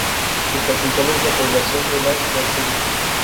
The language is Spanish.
Su capital es la población de Las Mercedes.